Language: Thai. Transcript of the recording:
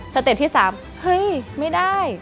เต็ปที่๓เฮ้ยไม่ได้